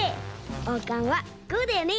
おうかんはこうだよね！